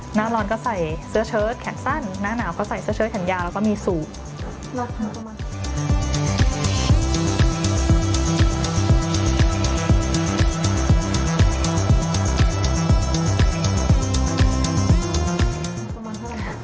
หน้าร้อนก็ใส่เสื้อเชิดแขนสั้นหน้าหนาวก็ใส่เสื้อเชิดแขนยาวแล้วก็มีสูบ